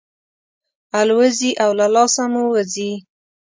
الوزي او له لاسه مو وځي.